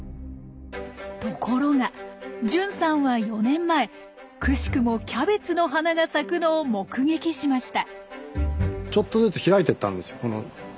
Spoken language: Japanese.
ところが純さんは４年前くしくもキャベツの花が咲くのを目撃しました。